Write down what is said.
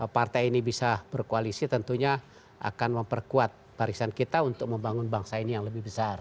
partai ini bisa berkoalisi tentunya akan memperkuat barisan kita untuk membangun bangsa ini yang lebih besar